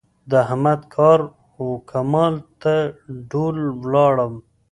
د احمد کار و کمال ته ډول ولاړم.